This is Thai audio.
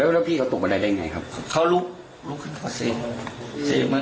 เรี้ยงไงครับเขาลุกลุกขึ้นเปล่าเศษ